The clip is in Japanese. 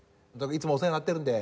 いつもお世話になってるんで。